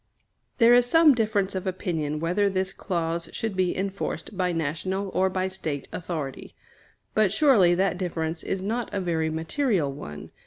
There is some difference of opinion whether this clause should be enforced by national or by State authority; but surely that difference is not a very material one.